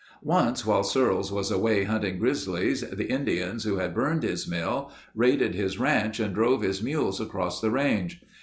Once while Searles was away hunting grizzlies, the Indians who had burned his mill, raided his ranch and drove his mules across the range.